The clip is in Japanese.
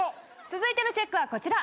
続いてのチェックはこちら。